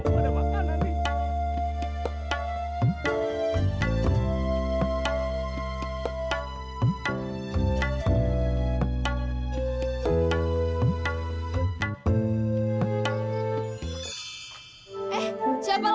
bapak ada makanan nih